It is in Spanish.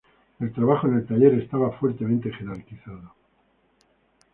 El trabajo en el taller estaba fuertemente jerarquizado.